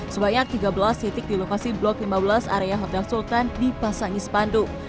sebanyak tiga belas sitik di lokasi blok lima belas area hotel sultan di pasang ispandu